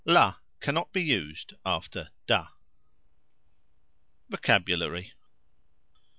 "La" cannot be used after "da." VOCABULARY.